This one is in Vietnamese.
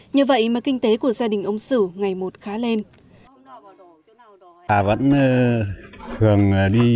như vậy mà kinh tế của gia đình ông sửu ngày một khá lên